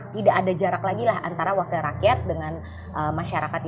tidak ada jarak lagi lah antara wakil rakyat dengan masyarakat